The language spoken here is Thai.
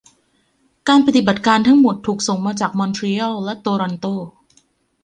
การปฏิบัติการทั้งหมดถูกส่งจาก มอนทรีอัล และ โตรอนโต